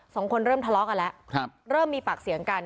สองคนเริ่มทะเลาะกันแล้วครับเริ่มมีปากเสียงกัน